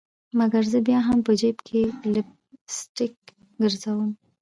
مګر زه بیا هم په جیب کي لپ سټک ګرزوم